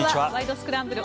スクランブル」